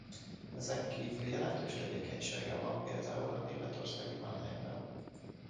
Ezen kívül jelentős tevékenysége van például a németországi Mannheimben.